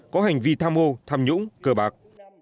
có hành vi tham hồ tham nhũng cờ bạc